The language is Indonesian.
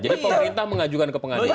jadi pemerintah mengajukan ke pengadilan